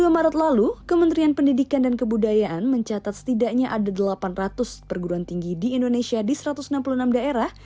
dua puluh maret lalu kementerian pendidikan dan kebudayaan mencatat setidaknya ada delapan ratus perguruan tinggi di indonesia di satu ratus enam puluh enam daerah